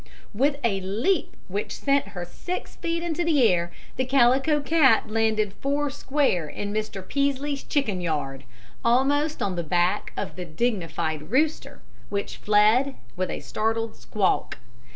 With a leap which sent her six feet into the air the Calico Cat landed four square in Mr. Peaslee's chicken yard, almost on the back of the dignified rooster, which fled with a startled squawk.